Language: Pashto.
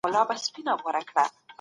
په پريکړو کي بيړه مه کوئ.